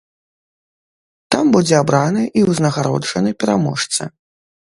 Там будзе абраны і ўзнагароджаны пераможца.